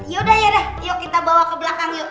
yaudah yaudah yuk kita bawa ke belakang yuk